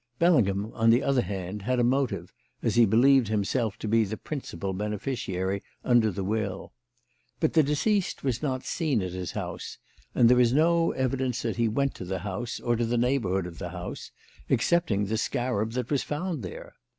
Bellingham, on the other hand, had a motive, as he believed himself to be the principal beneficiary under the will. But the deceased was not seen at his house, and there is no evidence that he went to the house or to the neighbourhood of the house, excepting the scarab that was found there.